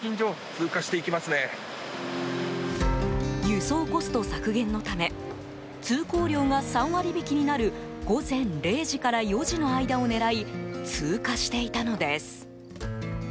輸送コスト削減のため通行料が３割引になる午前０時から４時の間を狙い通過していたのです。